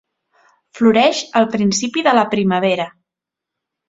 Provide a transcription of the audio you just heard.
Floreix al principi de la primavera.